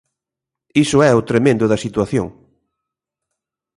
Iso é o tremendo da situación.